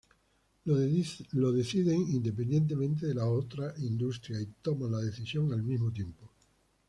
Lo deciden independientemente de la otra industria y toman la decisión al mismo tiempo.